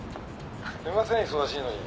すいません忙しいのに。